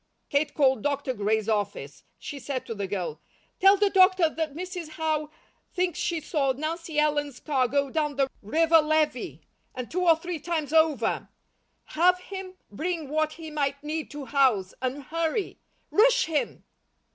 Kate called Dr. Gray's office. She said to the girl: "Tell the doctor that Mrs. Howe thinks she saw Nancy Ellen's car go down the river levee, and two or three times over. Have him bring what he might need to Howe's, and hurry. Rush him!"